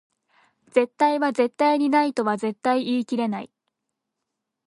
絶対は絶対にないとは絶対言い切れない